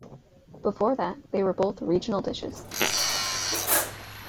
Before that, they were both regional dishes.